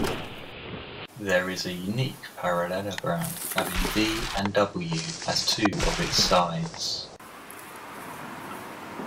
There is a unique parallelogram having v and w as two of its sides.